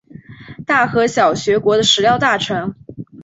大和小学国的食料大臣。